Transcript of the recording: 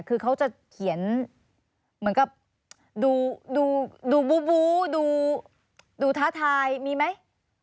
คือเขาจะเขียนเหมือนกับดูบู้ดูท้าทายมีไหม